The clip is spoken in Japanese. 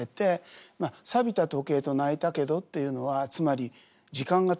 「びた時計と泣いたけど」っていうのはつまり時間が止まっていた。